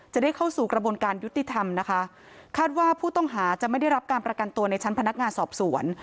จะได้เข้าสู่กระบวนการยุติธรรมนะคะคาดว่าผู้ต้องหาจะไม่ได้รับการประกันตัวในชั้นพนักงานสอบสวน